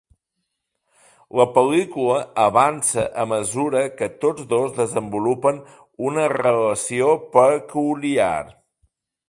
La pel·lícula avança a mesura que tots dos desenvolupen una relació peculiar.